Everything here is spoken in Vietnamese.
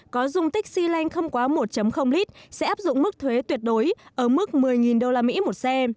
có dùng tích xe lanh không quá một lit sẽ áp dụng mức thuế tuyệt đối ở mức một mươi đô la mỹ một xe